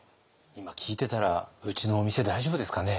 今聞いてたらうちのお店大丈夫ですかね。